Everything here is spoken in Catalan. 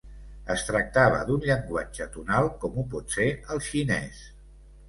Es tractava d'un llenguatge tonal com ho pot ser el xinès.